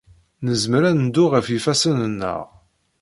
Nezmer ad neddu ɣef yifassen-nneɣ.